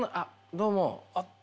どうも。